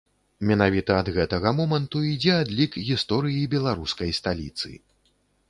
Менавіта ад гэтага моманту ідзе адлік гісторыі беларускай сталіцы.